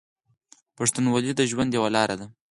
پښتونولي د ژوند یوه لار ده.